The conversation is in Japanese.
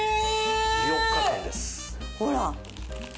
ほら。